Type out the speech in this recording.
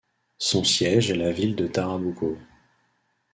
Son siège est la ville de Tarabuco.